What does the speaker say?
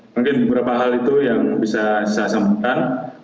mungkin beberapa hal itu yang bisa saya sampaikan